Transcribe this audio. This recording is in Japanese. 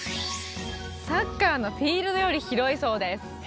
サッカーのフィールドより広いそうです。